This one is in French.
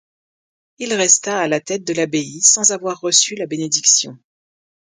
Il resta à la tête de l'abbaye sans avoir reçu la bénédiction.